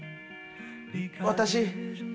私。